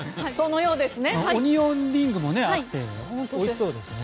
オニオンリングもあっておいしそうですね。